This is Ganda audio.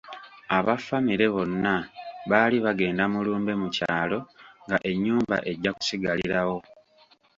Abafamire bonna baali bagenda mu lumbe mu kyalo nga ennyumba ejja kusigalirawo.